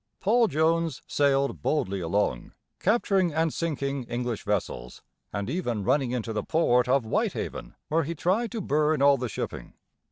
Paul Jones sailed boldly along, capturing and sinking English vessels, and even running into the port of White ha´ven, where he tried to burn all the shipping.